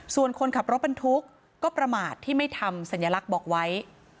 ส่วนคนขับรถบรรทุกก็ประมาทที่ไม่ทำสัญลักษณ์บอกไว้